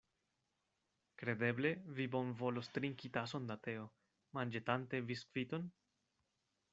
Kredeble vi bonvolos trinki tason da teo, manĝetante biskviton?